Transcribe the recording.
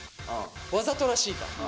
わざとらしいから。